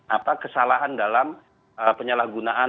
apa kesalahan dalam penyalahgunaan